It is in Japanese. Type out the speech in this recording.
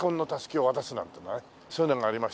そういうのがありましたけど。